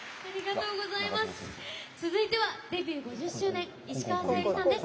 続いてはデビュー５０周年石川さゆりさんです。